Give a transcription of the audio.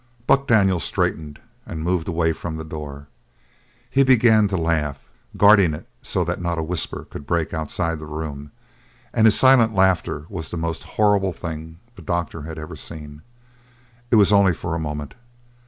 Buck Daniels straightened and moved away from the door. He began to laugh, guarding it so that not a whisper could break outside the room, and his silent laughter was the most horrible thing the doctor had ever seen. It was only for a moment.